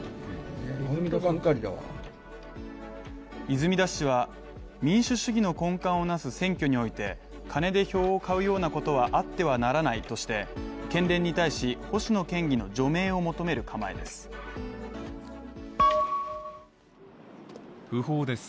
泉田氏は民主主義の根幹をなす選挙において、金で票を買うようなことはあってはならないとして、県連に対し、星野県議の除名を求める構えです。